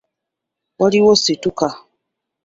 Waliwo situka.